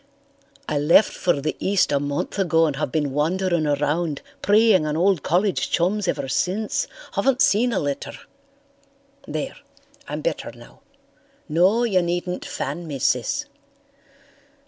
"I left for the East a month ago and have been wandering around preying on old college chums ever since. Haven't seen a letter. There, I'm better now. No, you needn't fan me, Sis.